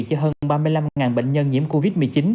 cho hơn ba mươi năm bệnh nhân nhiễm covid một mươi chín